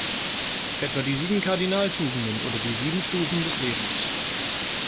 Etwa die sieben Kardinaltugenden oder die sieben Stufen des Lebens.